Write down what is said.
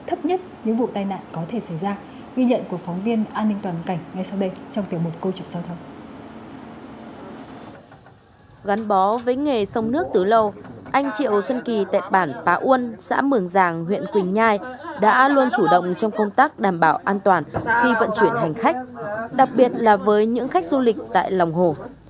anh triệu xuân kỳ tại bản phá uân xã mường giàng huyện quỳnh nhai đã luôn chủ động trong công tác đảm bảo an toàn khi vận chuyển hành khách đặc biệt là với những khách du lịch tại lòng hồ